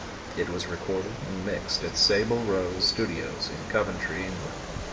It was recorded and mixed at Sable Rose Studios in Coventry, England.